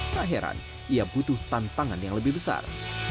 tak heran ia butuh tantangan yang lebih besar